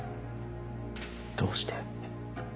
どうして？